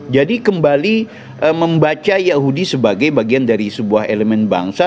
jadi kembali membaca yahudi sebagai bagian dari sebuah elemen bangsa